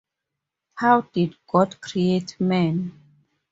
How did God create man?